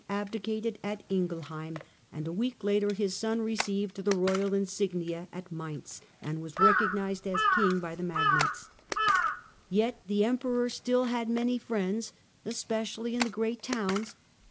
abdicated at Ingelheim, and a and death ''.^.,,^...,,. of Henry wccK later his SOU reccivcd the royal insignia at Mainz, and was recognized as king by the magnates. Yet the Emperor still had many friends, especially in the great towns.